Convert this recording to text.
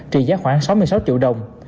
trị giá khoảng sáu mươi sáu triệu đồng